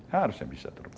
harusnya bisa terbuka